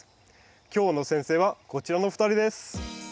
今日の先生はこちらの２人です。